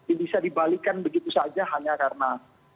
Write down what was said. ini bisa dibalikkan begitu saja hanya karena